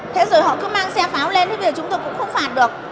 thế rồi họ cứ mang xe pháo lên vì chúng tôi cũng không phạt được